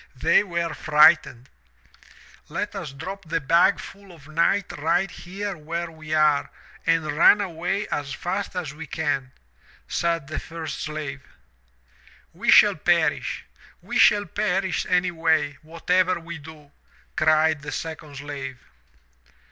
They were frightened. Tet us drop the bag full of night right here where we are and run away as fast as we can,' said the first slave. *We shall perish. We shall perish, anyway, whatever we do,' cried the second slave.